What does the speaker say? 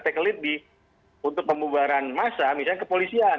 take a lead di untuk pembubaran massa misalnya kepolisian